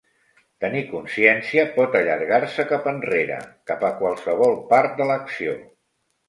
Tenir consciència pot allargar-se cap enrere, cap a qualsevol part de l'acció.